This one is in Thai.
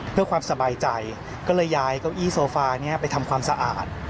เพื่อความสบายใจก็เลยย้ายเก้าอี้โซฟานี้ไปทำความสะอาด